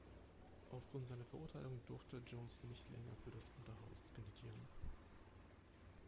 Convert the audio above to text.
Aufgrund seiner Verurteilung durfte Jones nicht länger für das Unterhaus kandidieren.